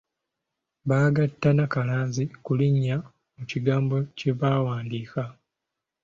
Baagatta nnakalazi ku linnya mu kigambo kye baawandiika.